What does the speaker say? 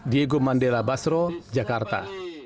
diego mandela basro jakarta